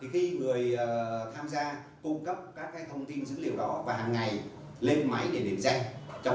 khi người tham gia cung cấp các thông tin dữ liệu đó và hàng ngày lên máy để điểm danh